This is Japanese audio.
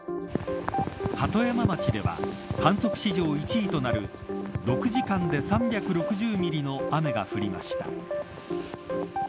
鳩山町では、観測史上１位となる６時間で３６０ミリの雨が降りました。